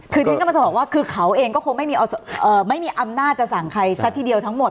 คือที่ฉันกำลังจะบอกว่าคือเขาเองก็คงไม่มีอำนาจจะสั่งใครซะทีเดียวทั้งหมด